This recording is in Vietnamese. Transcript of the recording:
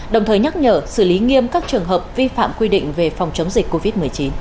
đồng thời nhắc nhở xử lý nghiêm các trường hợp vi phạm quy định về phòng chống dịch covid một mươi chín